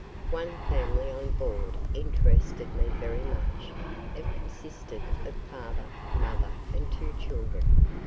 One family on board interested me very much. It consisted of father, mother, and two children.